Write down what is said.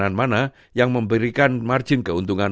dan fokus pada penyedia layanan mana yang memberikan margin keuntungan